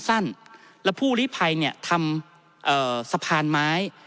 และผู้ลิภัยเนี่ยทำสะพานไม้